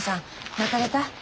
泣かれた？